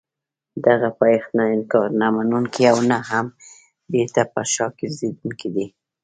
دغه پایښت نه انکار نه منونکی او نه هم بېرته پر شا ګرځېدونکی دی.